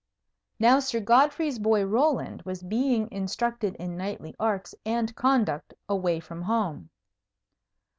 Now Sir Godfrey's boy Roland was being instructed in knightly arts and conduct away from home.